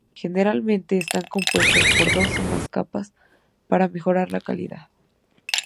Generalmente están compuestos por dos o más capas para mejorar la calidad.